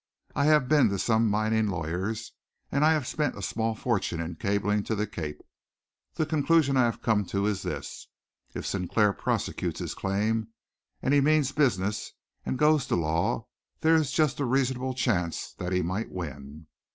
"I have been to some mining lawyers, and I have spent a small fortune in cabling to the Cape. The conclusion I have come to is this. If Sinclair prosecutes his claim and he means business and goes to law, there is just a reasonable chance that he might win."